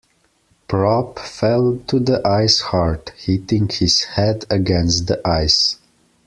Propp fell to the ice hard, hitting his head against the ice.